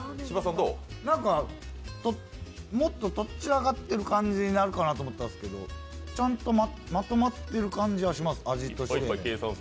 もっととっちらかってる感じになるかなと思ったんですけどちゃんとまとまってる感じはします、味として。